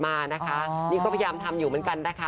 มานะคะนี่ก็พยายามทำอยู่เหมือนกันนะคะ